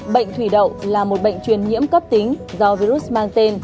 bệnh thủy đậu là một bệnh truyền nhiễm cấp tính do virus mang tên